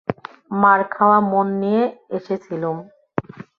মার-খাওয়া মন নিয়ে এসেছিলুম।